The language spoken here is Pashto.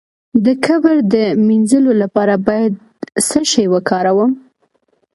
د کبر د مینځلو لپاره باید څه شی وکاروم؟